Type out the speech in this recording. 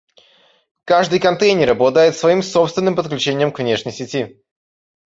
Каждый контейнер обладает своим собственным подключением к внешней сети